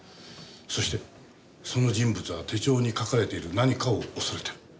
そしてその人物は手帳に書かれている何かを恐れている。